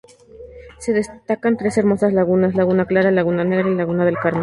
Se destacan tres hermosas lagunas: Laguna clara, Laguna negra y Laguna del Carmen.